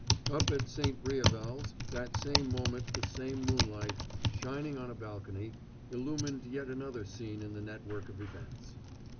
Up at "St. Briavels" that same moment the same moonlight, shining on a balcony, illumined yet another scene in the network of events.